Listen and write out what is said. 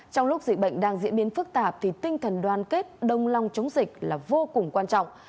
trong lúc dịch bệnh đang diễn biến phức tạp thì tinh thần đoàn kết đông long chống dịch là vô cùng quan trọng